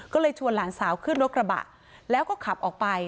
ก็เลยชวนหลานสาวขึ้นรถกระบะแล้วก็ขับออกไป